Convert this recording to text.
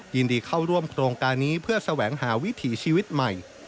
ยินดีเข้าร่วมโครงการนี้เพื่อแสวงหาวิถีชีวิตใหม่